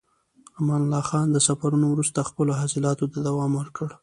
امان الله خان د سفرونو وروسته خپلو اصلاحاتو ته دوام ورکړ.